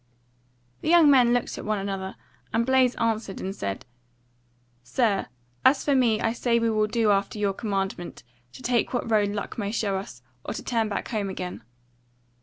The young men looked at one another, and Blaise answered and said: "Sir, as for me I say we will do after your commandment, to take what road luck may show us, or to turn back home again."